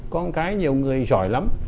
con cái nhiều người giỏi lắm